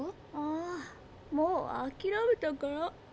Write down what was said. ああもうあきらめたから。